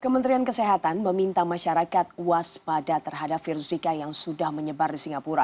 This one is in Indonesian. kementerian kesehatan meminta masyarakat waspada terhadap virus zika yang sudah menyebar di singapura